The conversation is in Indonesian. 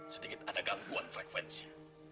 sedikit ada gangguan frekuensi